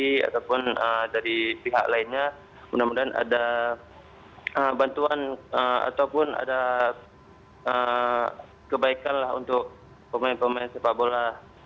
jadi mudah mudahan dari psg ataupun dari pihak lainnya mudah mudahan ada bantuan ataupun ada kebaikan lah untuk pemain pemain sepak bola